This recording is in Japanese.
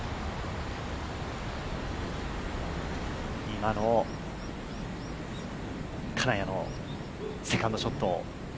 今の金谷のセカンドショットを。